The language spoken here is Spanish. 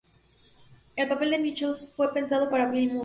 El papel de Nicholson fue pensado para Bill Murray.